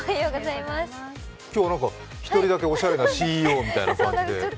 今日は１人だけおしゃれなＣＥＯみたいな感じで。